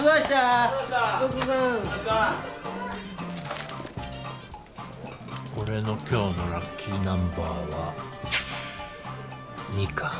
・ありがとうございま俺の今日のラッキーナンバーは２か。